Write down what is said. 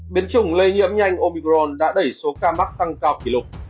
biến chủng lây nhiễm nhanh omicron đã đẩy số ca mắc tăng cao kỷ lục